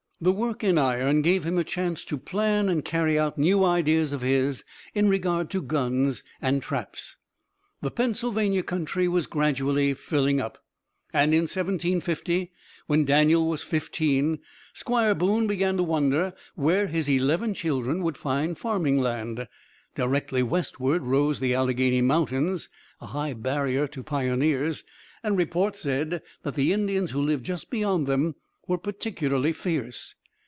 The work in iron gave him a chance to plan and carry out new ideas of his in regard to guns and traps. The Pennsylvania country was gradually filling up, and in 1750, when Daniel was fifteen, Squire Boone began to wonder where his eleven children would find farming land. Directly westward rose the Alleghany Mountains, a high barrier to pioneers, and report said that the Indians who lived just beyond them were particularly fierce.